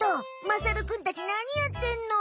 まさるくんたちなにやってんの？